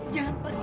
jangan pergi yos